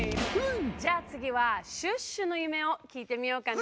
じゃあつぎはシュッシュの夢をきいてみようかな！